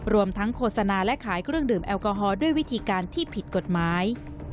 รวมทั้งโฆษณาและขายเครื่องดื่มแอลกอฮอลด้วยวิธีการที่ผิดกฎหมาย